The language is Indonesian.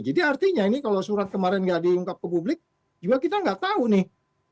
jadi artinya ini kalau surat kemarin nggak diungkap ke publik juga kita nggak tahu nih